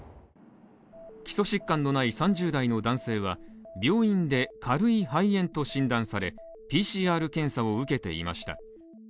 基礎疾患のない３０代の男性は病院で軽い肺炎と診断され、ＰＣＲ検査を受けていました。